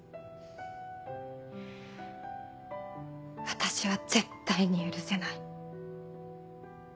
私は絶対に許せない。